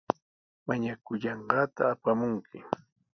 Mañakullanqaata apamunki.